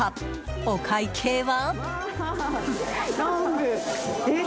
お会計は？